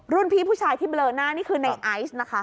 พี่ผู้ชายที่เบลอหน้านี่คือในไอซ์นะคะ